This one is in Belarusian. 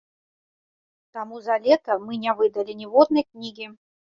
Таму за лета мы не выдалі ніводнай кнігі.